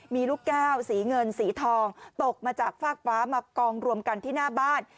มีลูกแก้วสีเงินสีทองตกมาจากฟากฟ้ามากองรวมกันที่หน้าบ้าน